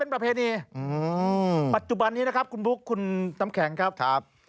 ประเพณีปัจจุบันนี้นะครับคุณบุ๊คคุณน้ำแข็งครับ